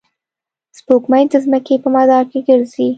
سپوږمۍ د ځمکې په مدار کې ګرځي.